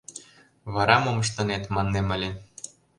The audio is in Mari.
— Вара мом ыштынет, маннем ыле.